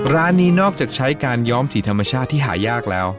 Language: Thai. ร้านนี้นอกจากใช้การย้อมสีธรรมชาติที่หายากแล้ว